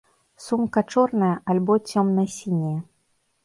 Сумка чорная альбо цёмна сіняя.